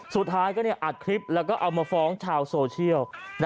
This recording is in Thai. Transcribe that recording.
สุดท้ายก็อัดคลิปแล้วก็เอามาฟ้องชาวโซเชียล